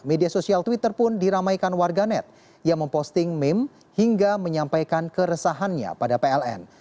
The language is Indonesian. media sosial twitter pun diramaikan warganet yang memposting meme hingga menyampaikan keresahannya pada pln